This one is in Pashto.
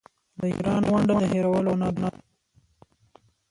د ایران ونډه د هیرولو نه ده.